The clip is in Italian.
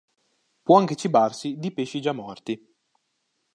Può anche cibarsi di pesci già morti.